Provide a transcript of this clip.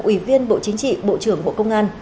ủy viên bộ chính trị bộ trưởng bộ công an